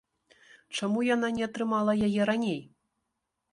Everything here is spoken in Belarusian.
Чаму яна не атрымала яе раней?